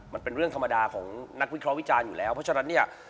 มันเป็นเรื่องธรรมดาของนักวิเคราะห์วิจารณ์อยู่แล้วเพราะฉะนั้นเนี่ย